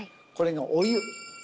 これがお湯。